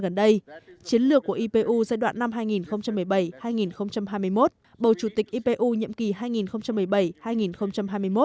gần đây chiến lược của ipu giai đoạn năm hai nghìn một mươi bảy hai nghìn hai mươi một bầu chủ tịch ipu nhiệm kỳ hai nghìn một mươi bảy hai nghìn hai mươi một